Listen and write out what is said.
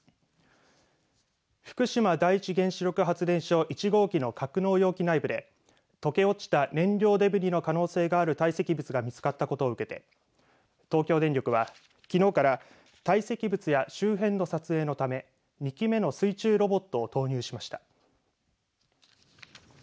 福島第一原子力発電所１号機の格納容器内部で溶け落ちた燃料デブリの可能性がある堆積物が見つかったことを受けて東京電力は、きのうから堆積物や周辺の撮影のため２機目の水中ロボットを投入しました。